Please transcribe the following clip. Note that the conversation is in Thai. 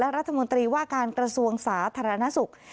รัฐมนตรีว่าการกระทรวงศาสตร์ธรรมนาศุกร์